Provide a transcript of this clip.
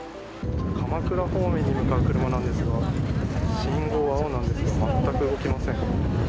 鎌倉方面に向かう車なんですが信号が青なんですがまったく動きません。